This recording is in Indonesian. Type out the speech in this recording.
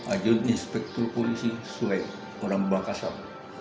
ajun inspektur polisi swipe orang bangkasam